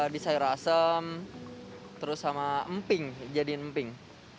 di sayur asem terus sama emping jadiin emping